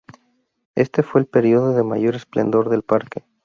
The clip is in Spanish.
Este fue el período de mayor esplendor del parque.